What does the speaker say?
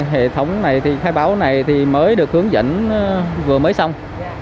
hệ thống khai báo này mới được hướng dẫn vừa mới xong